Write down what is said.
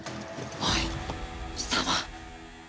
おい貴様！